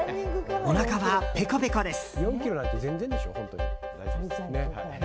おなかはペコペコです。